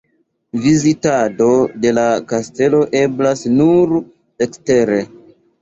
Vizitado de la kastelo eblas nur de ekstere.